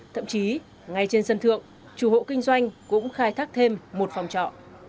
thậm chí ngay trên sân thượng chủ hộ kinh doanh cũng khai thác thêm một phòng trọ